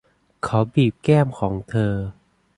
เขาบีบแก้มของเธอ